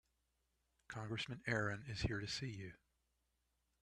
Congressman Aaron is here to see you.